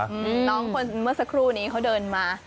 น้องคนเมื่อสักครู่นี้เขาเดินมา